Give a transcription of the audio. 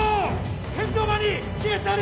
天井板に亀裂あり！